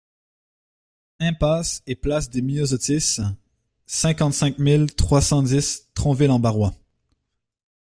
Impasse et Place des Myosotis, cinquante-cinq mille trois cent dix Tronville-en-Barrois